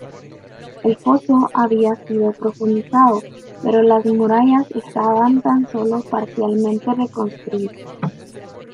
El foso había sido profundizado pero las murallas estaban tan solo parcialmente reconstruidas.